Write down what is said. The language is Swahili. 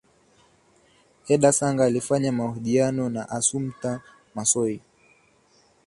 edda sanga alifanya mahojiano na assumpta massoi